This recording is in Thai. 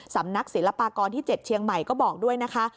สำนักศิลปากรที่๗เชียงใหม่ก็บอกด้วยนะคะ